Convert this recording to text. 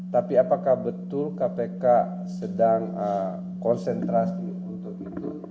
tapi apakah betul kpk sedang konsentrasi untuk itu